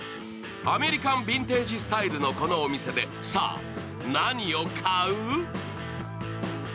アメリカンビンテージスタイルのこのお店でさあ、何を買う？